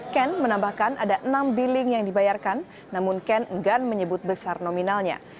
ken menambahkan ada enam billing yang dibayarkan namun ken enggan menyebut besar nominalnya